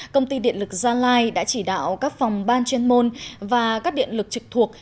công ty điện lực gia lai đã chỉ đạo các phòng ban chuyên môn và các điện lực trực thuộc